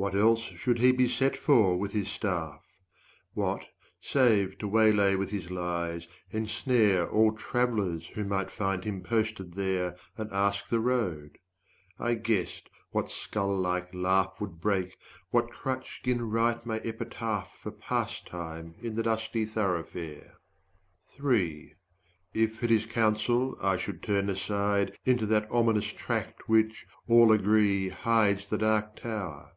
What else should he be set for, with his staff? What, save to waylay with his lies, ensnare All travelers who might find him posted there, And ask the road? I guessed what skull like laugh 10 Would break, what crutch 'gin write my epitaph For pastime in the dusty thoroughfare, If at his counsel I should turn aside Into the ominous tract which, all agree, Hides the Dark Tower.